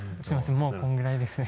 もうこれぐらいですね。